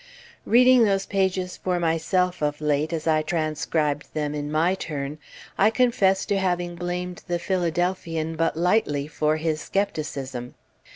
Reading those pages for myself, of late, as I transcribed them in my turn, I confess to having blamed the Philadelphian but lightly for his skepticism.